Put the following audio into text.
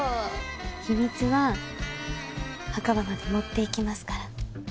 秘密は墓場まで持っていきますから。